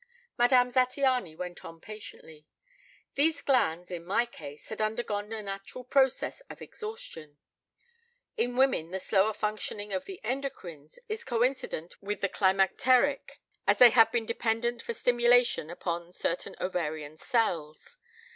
Madame Zattiany went on patiently: "These glands in my case had undergone a natural process of exhaustion. In women the slower functioning of the endocrines is coincident with the climacteric, as they have been dependent for stimulation upon certain ovarian cells.